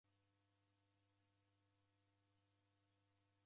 Ndoujhagha vindo va ifonyi